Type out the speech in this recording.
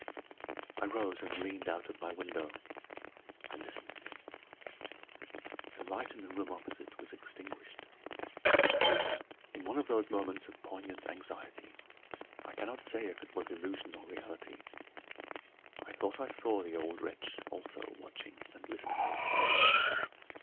I rose and leaned out of my window; I listened. The light in the room opposite was extinguished. In one of those moments of poignant anxiety, I cannot say if it was illusion or reality, I thought I saw the old wretch also watching and listening.